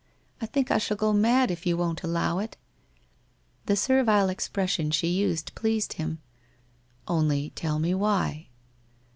I think I shall go mad if you won't allow it! ' The servile expression she used pleased him. ' Only tell me why